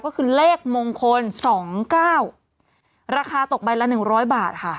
ก็คือเลขมงคล๒๙ราคาตกใบละ๑๐๐บาทค่ะ